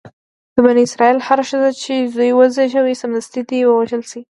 د بني اسرایلو هره ښځه چې زوی وزېږوي سمدستي دې ووژل شي.